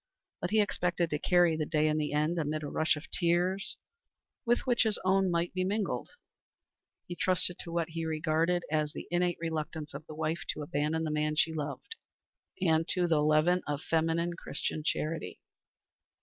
But he expected to carry the day in the end, amid a rush of tears, with which his own might be mingled. He trusted to what he regarded as the innate reluctance of the wife to abandon the man she loved, and to the leaven of feminine Christian charity.